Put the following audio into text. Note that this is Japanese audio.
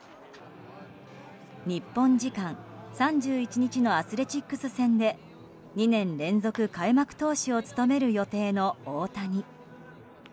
日本時間３１日のアスレチックス戦で２年連続開幕投手を務める予定の大谷。